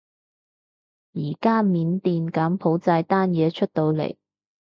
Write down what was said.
而家緬甸柬埔寨單嘢出到嚟